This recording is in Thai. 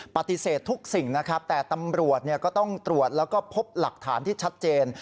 ปฏิเสธทุกสิ่งนะครับแต่ตำรวจก็ต้องตรวจแล้วก็พบหลักฐานที่ชัดเจน